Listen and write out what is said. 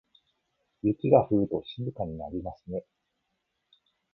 雪が降ると静かになりますね。